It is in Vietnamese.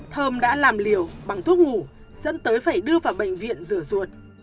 thơm đã làm liều bằng thuốc ngủ dẫn tới phải đưa vào bệnh viện rửa ruột